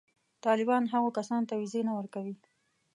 طالبان هغو کسانو ته وېزې نه ورکوي.